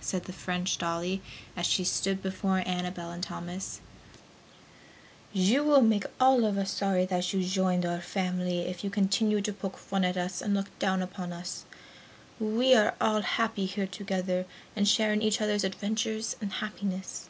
said the French dolly, as she stood before Annabel and Thomas, "You will make all of us sorry that you have joined our family if you continue to poke fun at us and look down upon us. We are all happy here together and share in each others' adventures and happiness."